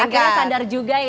kita sadar juga ya bu